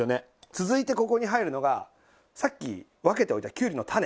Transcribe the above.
続いてここに入るのがさっき分けておいたきゅうりの種。